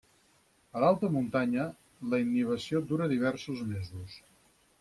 A l'alta muntanya, la innivació dura diversos mesos.